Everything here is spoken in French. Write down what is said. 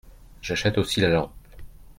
J’achète aussi la lampe.